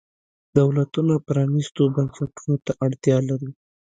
دولتونه پرانیستو بنسټونو ته اړتیا لري.